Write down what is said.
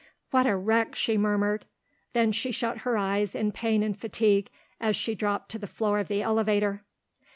"What a wreck," she murmured, then she shut her eyes in pain and fatigue, as she dropped to the floor of the elevator.